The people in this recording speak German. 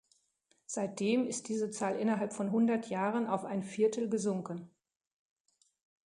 Seitdem ist diese Zahl innerhalb von hundert Jahren auf ein Viertel gesunken.